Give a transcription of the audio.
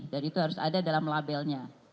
dan itu harus ada dalam labelnya